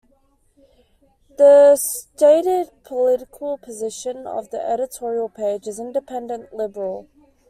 The stated political position of the editorial page is "independent liberal".